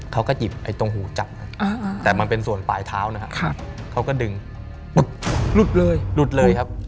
เขาก็หยิบไอ้ตรงหูจับแต่มันเป็นส่วนปลายเท้านะครับเขาก็ดึงหลุดเลยหลุดเลยครับ